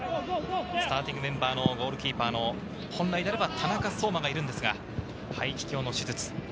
スターティングメンバーのゴールキーパーの、本来ならば田中蒼真がいるんですが、肺気胸の手術。